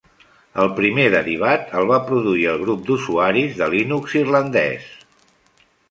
El primer derivat el va produir el grup d'usuaris de Linux irlandès.